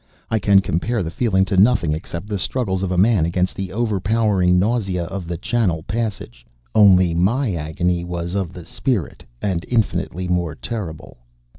I can compare the feeling to nothing except the struggles of a man against the overpowering nausea of the Channel passage only my agony was of the spirit and infinitely more terrible.